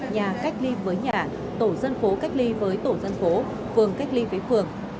nhà cách ly với nhà tổ dân phố cách ly với tổ dân phố phường cách ly với phường